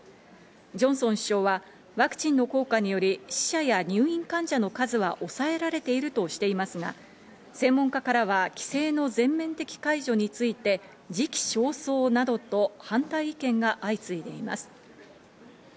ジョンソン首相はワクチンの効果により死者や入院患者の数は抑えられているとしていますが、専門家からは規制の全面的解除について時期尚早などと反対意見が相次いでいます。